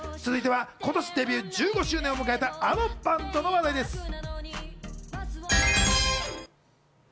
続いては今年デビュー１５周年を迎えたあのバンドの話題です。